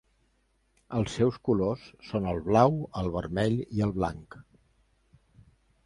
Els seus colors són el blau, el vermell i el blanc.